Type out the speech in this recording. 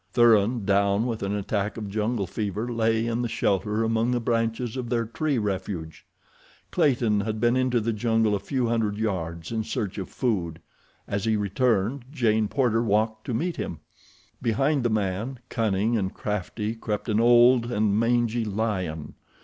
Thuran, down with an attack of jungle fever, lay in the shelter among the branches of their tree of refuge. Clayton had been into the jungle a few hundred yards in search of food. As he returned Jane Porter walked to meet him. Behind the man, cunning and crafty, crept an old and mangy lion.